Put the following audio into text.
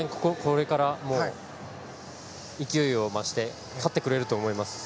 当然、これから勢いを増して勝ってくれると思います。